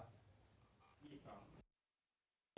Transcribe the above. วิทยาลัยศาสตร์นักพยายามจำเป็นศัพท์